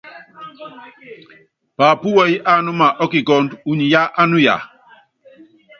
Paapú wɛyí ánúma ɔ́kikɔ́ndɔ, unyi yá ánuya.